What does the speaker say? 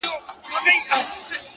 o دا سپوږمۍ وينې ـ